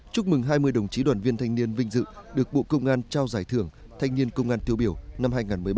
chúc mừng hai mươi đồng chí đoàn viên thanh niên vinh dự được bộ công an trao giải thưởng thanh niên công an tiêu biểu năm hai nghìn một mươi bảy